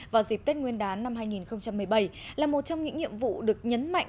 vào dịp tết nguyên đán năm hai nghìn một mươi bảy là một trong những nhiệm vụ được nhấn mạnh